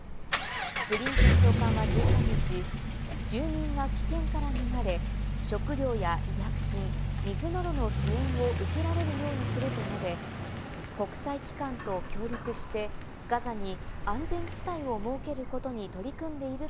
ブリンケン長官は１３日、住民が危険から逃れ、食料や医薬品、水などの支援を受けられるようにすると述べ、国際機関と協力してガザに安全地帯を設けることに取り組んでいる